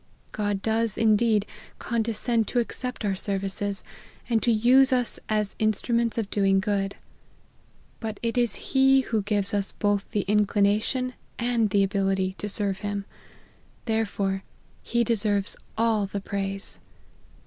God does, indeed, condescend to accept our services, and to use us as instruments of doing good, but it is he who gives us both the inclination and the ability to serve him ; therefore he deserves all the praise.